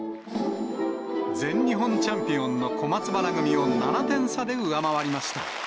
全日本チャンピオンの小松原組を７点差で上回りました。